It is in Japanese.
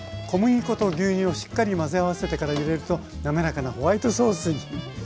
小麦粉と牛乳をしっかり混ぜ合わせてから入れるとなめらかなホワイトソースに。